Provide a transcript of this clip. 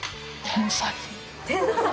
天才？